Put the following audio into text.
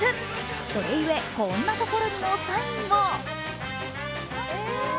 それゆえ、こんなところにもサインを。